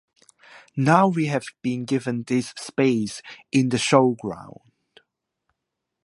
Now we have been given this space in the showground.